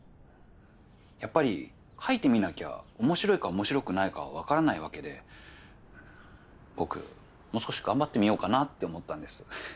やっぱりかいてみなきゃ面白いか面白くないかは分からないわけで僕もう少し頑張ってみようかなって思ったんです。